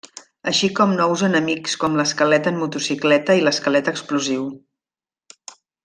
Així com nous enemics com l'esquelet en motocicleta i l'esquelet explosiu.